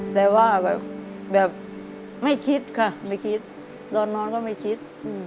แต่ว่าแบบไม่คิดค่ะไม่คิดตอนนอนก็ไม่คิด